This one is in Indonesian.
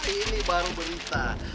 ini baru berita